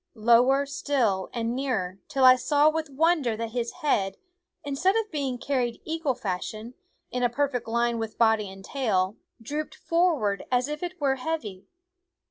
Lower still and nearer, till I saw with wonder that his head, instead of being carried eagle fashion, in a perfect line with body and tail, drooped forward as if it were heavy.